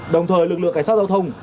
đồng thời lực lượng cảnh sát giao thông